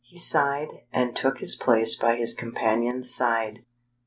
He sighed and took his place by his companion's side.